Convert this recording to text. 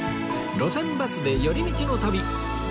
『路線バスで寄り道の旅』